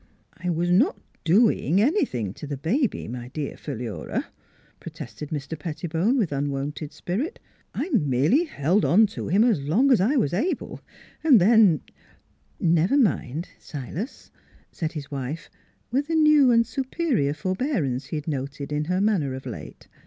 " I was not doing anything to the baby, my dear Philura," protested Mr. Pettibone, with un wonted spirit. " I merely held on to him as long as I was able, and then "" Never mind, Silas," said his wife, with the new and superior forbearance he had noted in her manner of late.